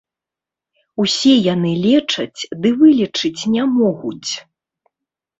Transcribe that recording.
Усе яны лечаць, ды вылечыць не могуць.